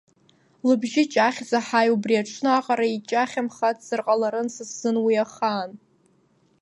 Лыбжьы ҷахьӡа ҳаи, убри аҽны аҟара иҷахьамхацзар ҟаларын са сзын уи ахаан!